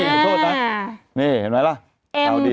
นี่เห็นไหมล่ะข่าวดี